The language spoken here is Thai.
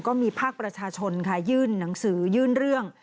ก็มีภาคประชาชนค่ะยื่นหนังสือยื่นเรื่อง